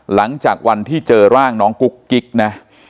หลังจากวันที่เจอร่างน้องกุ๊กกิ๊กนะ